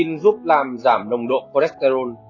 tinh tin giúp làm giảm nồng độ cholesterol